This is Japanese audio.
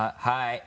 「はい」